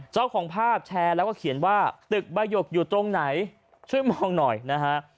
เจ้าของภาพแชร์แล้วก็เขียนว่าตึกบายกอยู่ตรงไหนช่วยมองหน่อยนะฮะ